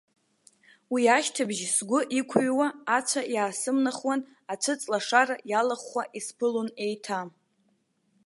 Уи ашьҭыбжь сгәы ишықәыҩуа ацәа иаасымнахуан, ацәыҵлашара иалахәхәа исԥылон еиҭа.